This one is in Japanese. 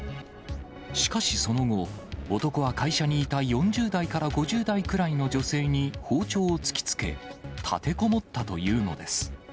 しかしその後、男は会社にいた４０代から５０代くらいの女性に包丁を突きつけ、立てこもったというのです。